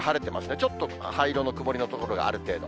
ちょっと灰色の曇りの所がある程度。